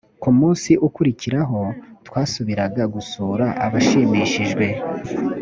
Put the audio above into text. ku munsi ukurikiraho twasubiraga gusura abashimishijwe